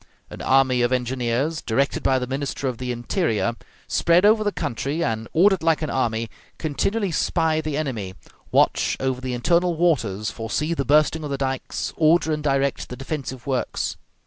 An army of engineers, directed by the Minister of the Interior, spread over the country, and, ordered like an army, continually spy the enemy, watch over the internal waters, foresee the bursting of the dikes, order and direct the defensive works.